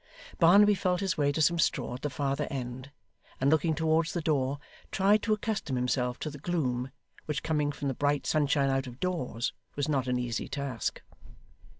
Barnaby felt his way to some straw at the farther end, and looking towards the door, tried to accustom himself to the gloom, which, coming from the bright sunshine out of doors, was not an easy task.